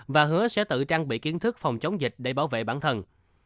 và hứa sẽ tự trang bị kiến thức phòng chống dịch để bảo vệ bản thân